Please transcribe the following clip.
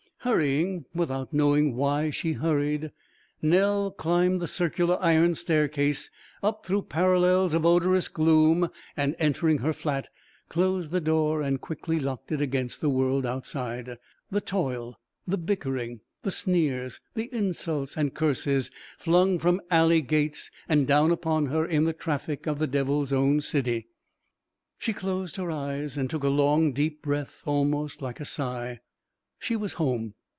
Hurrying, without knowing why she hurried, Nell climbed the circular iron staircase up through parallels of odorous gloom and, entering her flat, closed the door and quickly locked it against the world outside the toil, the bickering, the sneers, the insults and curses flung from alley gates and down upon her in the traffic of the Devil's Own city. She closed her eyes and took a long deep breath almost like a sigh. She was home.